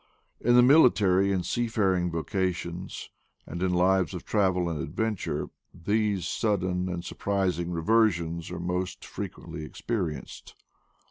In the military and seafaring vocations, and in lives of travel and adventure, these sudden and sur prising reversions are most frequently experi enced.